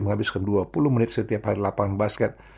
menghabiskan dua puluh menit setiap hari lapangan basket